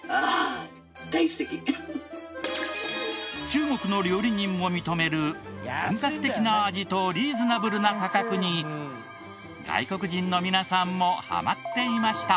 中国の料理人も認める本格的な味とリーズナブルな価格に外国人の皆さんもハマっていました。